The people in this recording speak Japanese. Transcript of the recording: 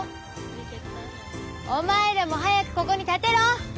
お前らも早くここに立てろ！